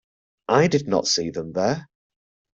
I did not see them there.